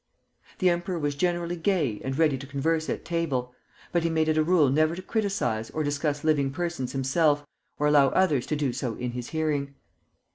The emperor was generally gay and ready to converse at table, but he made it a rule never to criticise or discuss living persons himself, or allow others to do so in his hearing.